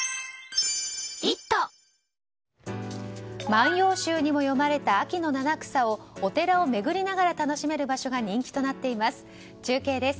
万葉集にも詠まれた秋の七草をお寺を巡りながら楽しめる場所が人気となっています。